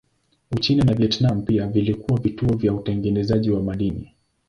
Uchina na Vietnam pia vilikuwa vituo vya utengenezaji wa madini.